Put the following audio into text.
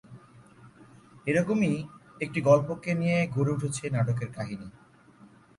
এরকমই একটি গল্পকে নিয়ে গড়ে উঠেছে নাটকের কাহিনী।